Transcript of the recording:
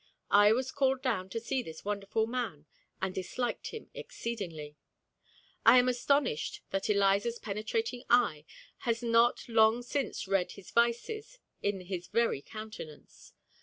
I was called down to see this wonderful man, and disliked him exceedingly. I am astonished that Eliza's penetrating eye has not long since read his vices in his very countenance.